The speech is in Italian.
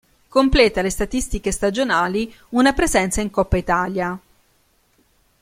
Completa le statistiche stagionali una presenza in Coppa Italia.